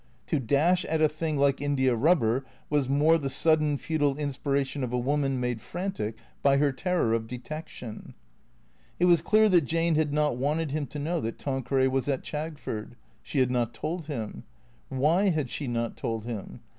To dash at a thing like india rubber was more the sudden, futile inspiration of a woman made frantic by her ter ror of detection. It was clear that Jane had not wanted him to know that Tan queray was at Chagford. She had not told him. Why had she not told him?